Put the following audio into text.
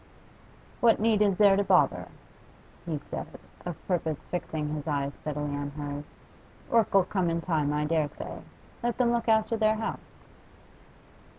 'What need is there to bother?' he said, of purpose fixing his eye steadily on hers. 'Work 'll come in time, I dare say. Let them look after their house.